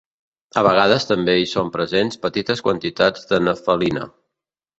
A vegades també hi són presents petites quantitats de nefelina.